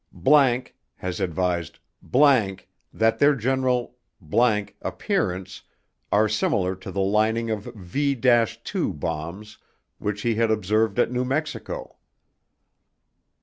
____ HAS ADVISED ____ THAT THEIR GENERAL ____ APPEARANCE ARE SIMILAR TO THE LINING OF V DASH TWO BOMBS, WHICH HE HAD OBSERVED AT NEW MEXICO.